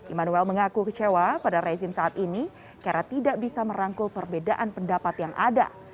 immanuel mengaku kecewa pada rezim saat ini karena tidak bisa merangkul perbedaan pendapat yang ada